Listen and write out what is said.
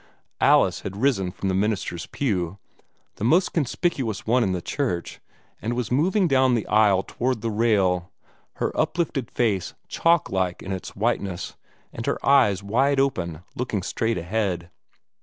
Alice had risen from the minister's pew the most conspicuous one in the church and was moving down the aisle toward the rail, her uplifted face chalk like in its whiteness, and her eyes wide open, looking straight ahead.